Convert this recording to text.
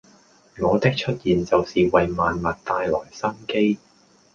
我的出現就是為萬物帶來生機